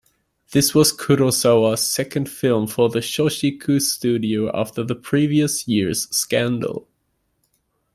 This was Kurosawa's second film for the Shochiku studio, after the previous year's "Scandal".